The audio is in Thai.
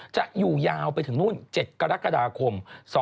จะอยู่ยาวไปถึงนู่น๗กรกฎาคม๒๕๖